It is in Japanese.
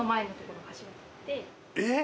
えっ！？